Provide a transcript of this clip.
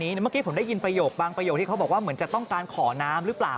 เมื่อกี้ผมได้ยินประโยคบางประโยคที่เขาบอกว่าเหมือนจะต้องการขอน้ำหรือเปล่า